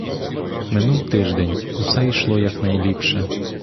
Минув тиждень, — усе йшло якнайліпше.